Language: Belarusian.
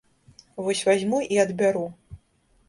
Вось вазьму і адбяру.